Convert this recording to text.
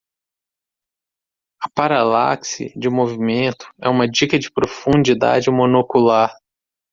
A paralaxe de movimento é uma dica de profundidade monocular.